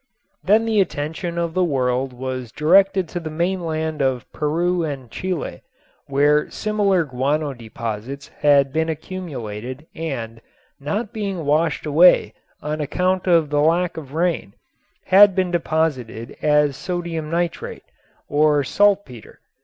Then the attention of the world was directed to the mainland of Peru and Chile, where similar guano deposits had been accumulated and, not being washed away on account of the lack of rain, had been deposited as sodium nitrate, or "saltpeter."